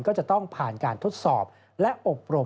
ก็จะต้องผ่านการทดสอบและอบรม